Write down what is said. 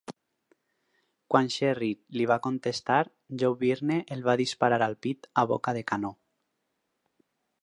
Quan Sherritt li va contestar, Joe Byrne el va disparar al pit a boca de canó.